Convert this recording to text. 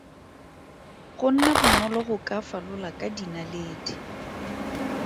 Go nna bonolo go ka falola ka dinaledi.